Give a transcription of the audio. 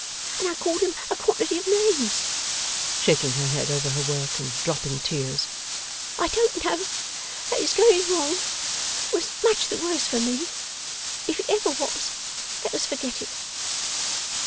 And I called him a quantity of names;' shaking her head over her work, and dropping tears. 'I don't know that his going wrong was much the worse for me. If it ever was, let us forget it.